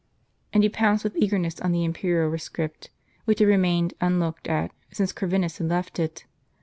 And he pounced with eagerness on the imperial rescript, which had remained unlooked at, since Corvinus had left it.